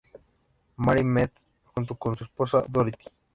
Mary Mead, junto con su esposa Dorothy.